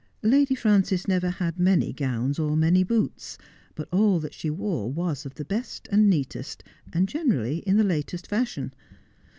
Lady Frances never had many gowns or many boots, but all that she wore was of the best and neatest, and generally in the latest fashion.